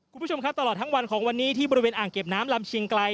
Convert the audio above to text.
คุณผู้ชมครับตลอดทั้งวันของวันนี้ที่บริเวณอ่างเก็บน้ำลำเชียงไกล